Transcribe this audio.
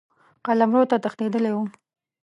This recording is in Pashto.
قلمرو ته تښتېدلی وو.